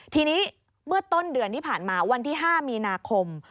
ทีนี้เมื่อต้นเดือนที่ผ่านมาวันที่๕มีนาคม